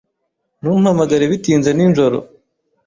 Ntumpamagare bitinze nijoro.